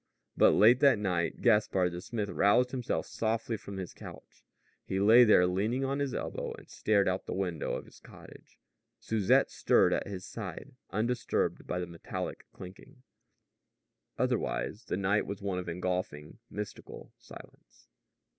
But late that night Gaspard the smith roused himself softly from his couch. He lay there leaning on his elbow and stared out of the window of his cottage. Susette stirred at his side, undisturbed by the metallic clinking. Otherwise the night was one of engulfing, mystical silence.